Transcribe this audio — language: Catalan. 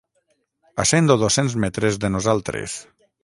A cent o dos-cents metres de nosaltres